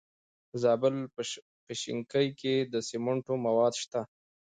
د زابل په شنکۍ کې د سمنټو مواد شته.